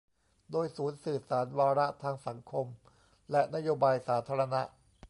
โดย ศูนย์สื่อสารวาระทางสังคมและนโยบายสาธารณะ